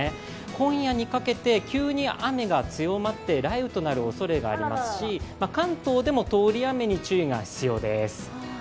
今夜にかけて、急に雨が強まって雷雨となるおそれがありますし、関東でも通り雨に注意が必要です。